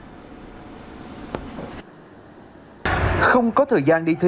thi mãi không có thời gian đi thi